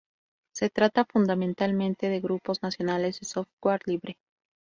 Se trata fundamentalmente de grupos nacionales de Software Libre.